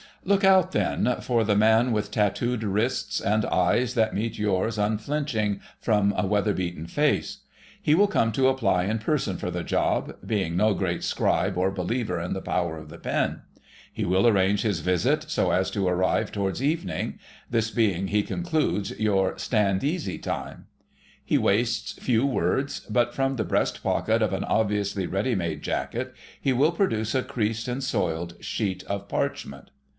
Look out then for the man with tattooed wrists, and eyes that meet yours unflinching from a weather beaten face. He will come to apply in person for the job—being no great scribe or believer in the power of the pen. He will arrange his visit so as to arrive towards evening,—this being, he concludes, your "stand easy time." He wastes few words, but from the breast pocket of an obviously ready made jacket he will produce a creased and soiled sheet of parchment.